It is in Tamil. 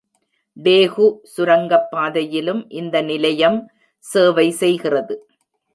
டேகு சுரங்கப்பாதையிலும் இந்த நிலையம் சேவை செய்கிறது.